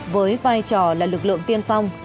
với vai trò là lực lượng tiên phong